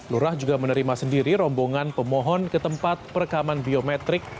lurah juga menerima sendiri rombongan pemohon ke tempat perekaman biometrik